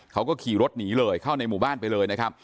เขาก็ขี่รถหนีเลยเข้าในหมู่บ้านไปเลยนะครับ